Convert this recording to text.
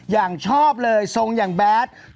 อย่างชอบเลยทรงอย่างแบด